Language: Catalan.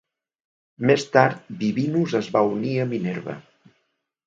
Més tard, Vivinus es va unir a Minerva.